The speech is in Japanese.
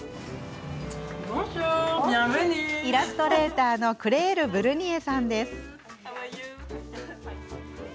イラストレーターのクレール・ブルニエさんです。